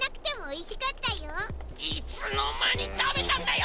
いつのまにたべたんだよ！